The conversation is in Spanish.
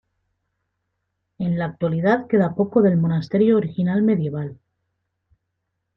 En la actualidad queda poco del monasterio original medieval.